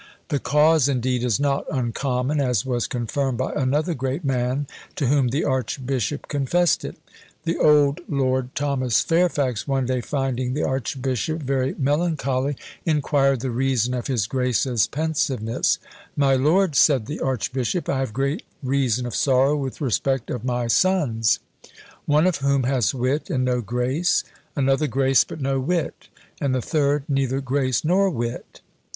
The cause, indeed, is not uncommon, as was confirmed by another great man, to whom the archbishop confessed it. The old Lord Thomas Fairfax one day finding the archbishop very melancholy, inquired the reason of his grace's pensiveness: "My lord," said the archbishop, "I have great reason of sorrow with respect of my sons; one of whom has wit and no grace, another grace but no wit, and the third neither grace nor wit."